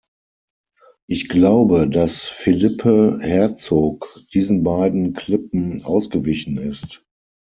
Ich glaube, dass Philippe Herzog diesen beiden Klippen ausgewichen ist.